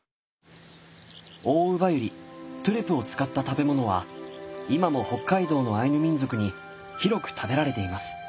オオウバユリトゥレを使った食べ物は今も北海道のアイヌ民族に広く食べられています。